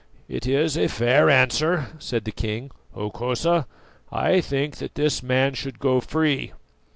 "It is a fair answer," said the king. "Hokosa, I think that this man should go free."